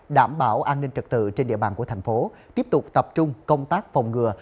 đảm bảo an ninh trật tự trên địa bàn của thành phố tiếp tục tập trung công tác phòng ngừa